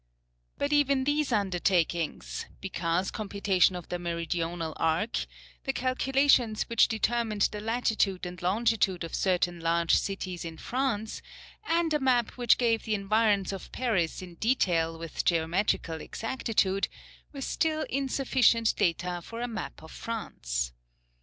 But even these undertakings, Picard's computation of the Meridional arc, the calculations which determined the latitude and longitude of certain large cities in France, and a map which gave the environs of Paris in detail with geometrical exactitude, were still insufficient data for a map of France.